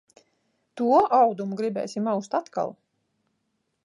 To audumu gribēsim aust atkal.